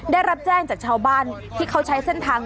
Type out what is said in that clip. ได้รับแจ้งจากชาวบ้านที่เขาใช้เส้นทาง